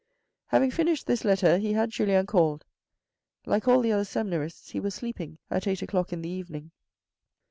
Having finished this letter he had Julien called. Like all the other seminarists, he was sleeping at eight o'clock in the evening.